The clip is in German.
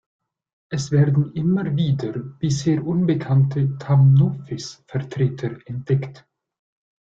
Es werden immer wieder bisher unbekannte Thamnophis-Vertreter entdeckt.